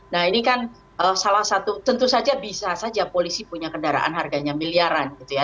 nah ini kan salah satu tentu saja bisa saja polisi punya kendaraan harganya miliaran gitu ya